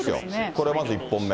これまず１本目。